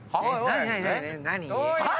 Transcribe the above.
何？